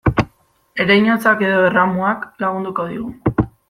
Ereinotzak edo erramuak lagunduko digu.